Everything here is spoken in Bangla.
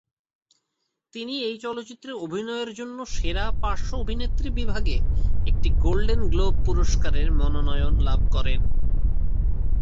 তিনি এই চলচ্চিত্রে অভিনয়ের জন্য সেরা পার্শ্ব অভিনেত্রী বিভাগে একটি গোল্ডেন গ্লোব পুরস্কারের মনোনয়ন লাভ করেন।